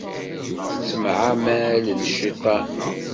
Tettemεamal d cciṭan.